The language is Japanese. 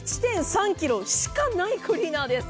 １．３ｋｇしかないクリーナーです。